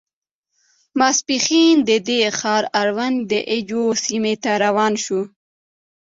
ماسپښین د دې ښار اړوند د اي جو سیمې ته روان شوو.